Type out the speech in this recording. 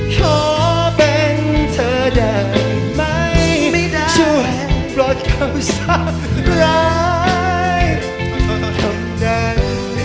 ขอเป็นเธอได้ไหมช่วยปลอดเขาสับไว้ทำได้